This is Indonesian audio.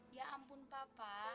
ya ampun papa